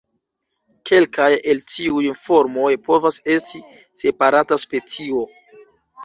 Kelkaj el tiuj formoj povas esti separata specio.